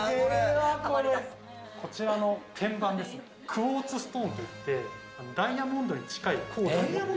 こちらの天板、クォーツストーンと言って、ダイヤモンドに近い硬度。